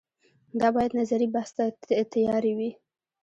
دا باید نظري بحث ته تیارې وي